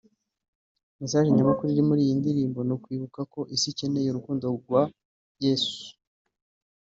Message nyamukuru iri muri iyi ndirimbo ni ukwibuka ko Isi ikeneye urukundo rwa Yesu